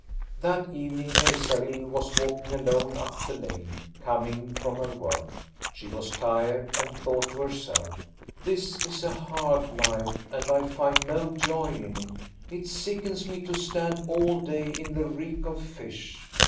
That evening Elsalill was walking alone up the lane, coming from her work. She was tired and thought to herself: "This is a hard life and I find no joy in it. It sickens me to stand all day in the reek of fish.